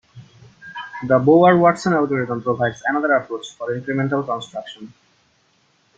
The Bowyer-Watson algorithm provides another approach for incremental construction.